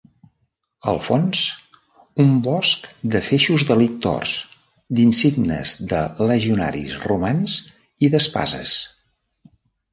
Al fons, un bosc de feixos de lictors, d'insígnies de legionaris romans i d'espases.